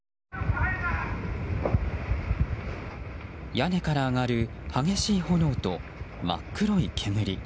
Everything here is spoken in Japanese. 屋根から上がる激しい炎と真っ黒い煙。